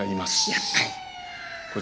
やっぱり。